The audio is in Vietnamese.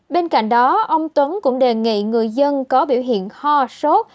bên cạnh đó ông tuấn cũng đề nghị người dân có biểu hiện ho sốt